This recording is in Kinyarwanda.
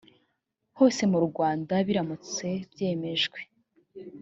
hose mu rwanda biramutse byemejwe